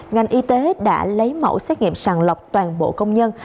ngành y tế đã lấy mẫu xét nghiệm sàng lọc toàn bộ công nhân